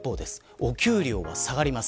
お給料は下がります。